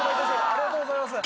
ありがとうございます。